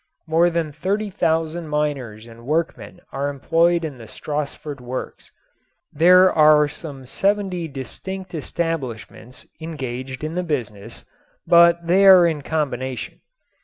More than thirty thousand miners and workmen are employed in the Stassfurt works. There are some seventy distinct establishments engaged in the business, but they are in combination.